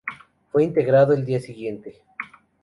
Fue integrado el día siguiente.